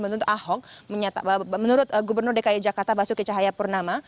menuntut ahok menurut gubernur dki jakarta basuki cahayapurnama